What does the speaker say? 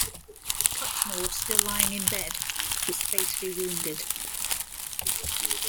Cutmore, still lying in bed, was fatally wounded.